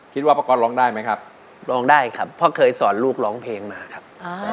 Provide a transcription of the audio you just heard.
ป้าก๊อตร้องได้ไหมครับร้องได้ครับเพราะเคยสอนลูกร้องเพลงมาครับ